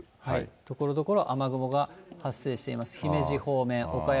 ところどころ雨雲が発生しています。